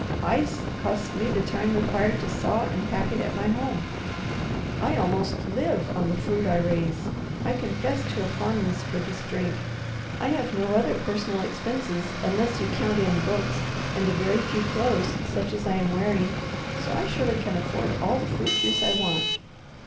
"Ice costs me the time required to saw and pack it at my home. I almost live on the fruit I raise. I confess to a fondness for this drink. I have no other personal expenses, unless you count in books, and a very few clothes, such as I'm wearing; so I surely can afford all the fruit juice I want."